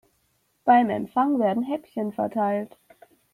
Beim Empfang werden Häppchen verteilt.